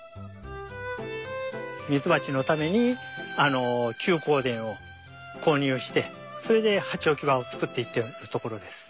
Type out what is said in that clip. ミツバチのためにあの休耕田を購入してそれでハチ置き場を作っていっているところです。